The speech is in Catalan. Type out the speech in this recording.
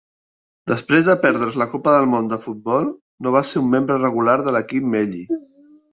Després de perdre's la Copa del Món de Futbol, no va ser un membre regular de l'Equip Melli.